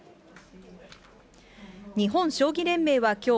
日本将棋連盟は日本